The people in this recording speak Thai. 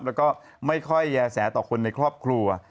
แล้วก็ไม่ค่อยแย่แสต่อคนในครอบครัว